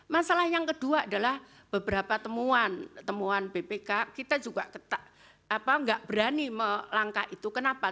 masalah yang kedua adalah beberapa temuan temuan bpk kita juga nggak berani melangkah itu kenapa